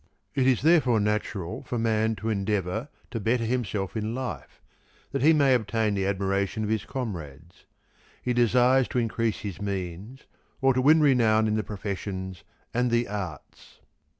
It is therefore natural for man to endeavour to better himself in life, that he may obtain the admiration of his comrades. He desires to increase his means or to win renown in the professions and the arts.